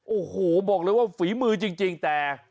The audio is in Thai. โอ้โหบอกเลยว่าฝีมือจริงแต่